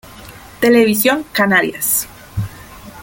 Televisión Canarias.